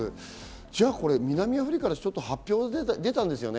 じゃあ南アフリカ発表が出たんですよね。